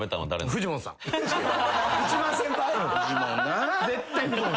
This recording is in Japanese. フジモンな。